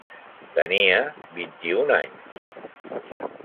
Tenia vint-i-un anys.